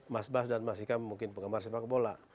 mas bas dan mas hikam mungkin penggemar sepak bola